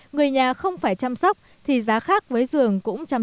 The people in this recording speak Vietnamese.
người nhà không phải chăm sóc thì giá khác với dương